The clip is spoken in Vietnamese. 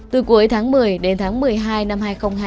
từ cuối tháng một mươi đến tháng một mươi hai năm hai nghìn hai mươi